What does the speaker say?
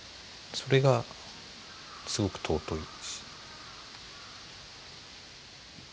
それがすごく尊い命。